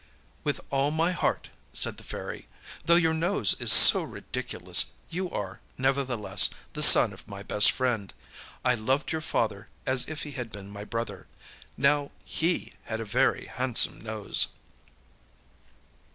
â âWith all my heart,â said the Fairy. âThough your nose is so ridiculous you are, nevertheless, the son of my best friend. I loved your father as if he had been my brother. Now he had a very handsome nose!